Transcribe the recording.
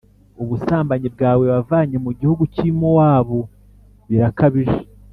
ubusambanyi bwawe wavanye mu gihugu cyi muwabu birakabije